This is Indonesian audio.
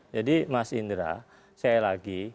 jadi mas indra saya lagi